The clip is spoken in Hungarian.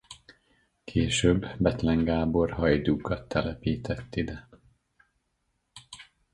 Később Bethlen Gábor hajdúkat telepített ide.